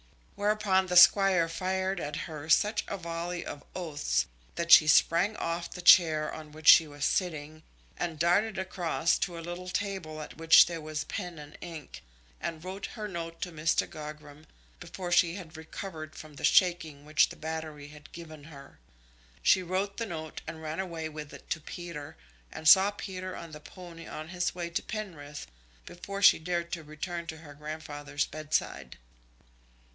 Whereupon the Squire fired at her such a volley of oaths that she sprang off the chair on which she was sitting, and darted across to a little table at which there was pen and ink, and wrote her note to Mr. Gogram, before she had recovered from the shaking which the battery had given her. She wrote the note, and ran away with it to Peter, and saw Peter on the pony on his way to Penrith, before she dared to return to her grandfather's bedside.